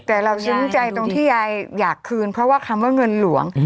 แต่เราซึ้มใจตรงที่ยายอยากคืนเพราะว่าคำว่าเงินหลวง